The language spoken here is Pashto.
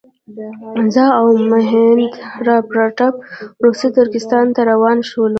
زه او مهیندراپراتاپ روسي ترکستان ته روان شولو.